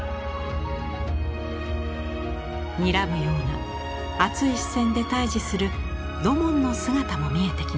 にらむような熱い視線で対峙する土門の姿も見えてきます。